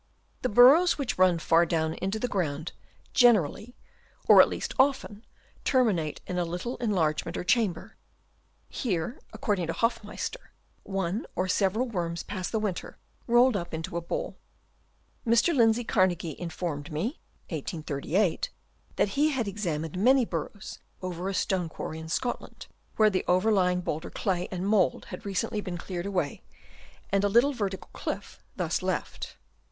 The burrows which run far down into the ground, generally, or at least often, terminate in a little enlargement or chamber. Here, ac cording to Hoffmeister, one or several worms pass the winter rolled up into a ball. Mr. Lindsay Carnagie informed me (1838) that he had examined manv burrows over a stone i/ quarry in Scotland, where the overlying boulder clay and mould had recently been cleared away, and a little vertical cliff thus left.